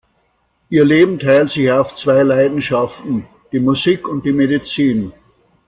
Ihr Leben teilt sich auf zwei Leidenschaften, die Musik und die Medizin.